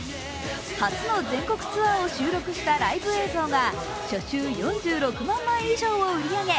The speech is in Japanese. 初の全国ツアーを収録したライブ映像が初週４６万枚以上を売り上げ